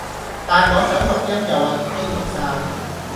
但我想錄音又話已經錄晒